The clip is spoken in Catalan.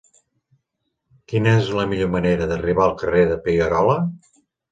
Quina és la millor manera d'arribar al carrer de Pierola?